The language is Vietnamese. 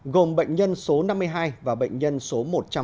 gồm bệnh nhân số năm mươi hai và bệnh nhân số một trăm bốn mươi chín